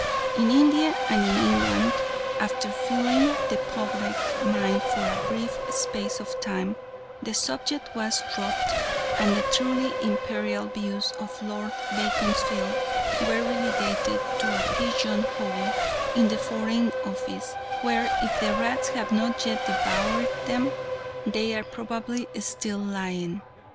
In India and in England, after filling the public mind for a brief space of time, the subject was dropped and the truly Imperial views of Lord Beaconsfield were relegated to a pigeon hole in the Foreign Office, where, if the rats have not yet devoured them, they are probably still lying.